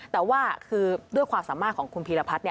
แต่ว่าคือด้วยความสามารถของคุณพีรพัฒน์